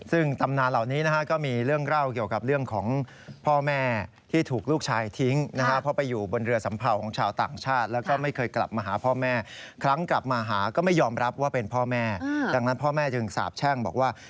ซึ่งตำนานเหล่านี้นะฮะก็มีเรื่องเล่าเกี่ยวกับเรื่องของ